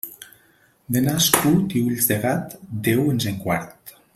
De nas curt i ulls de gat, Déu ens en guard.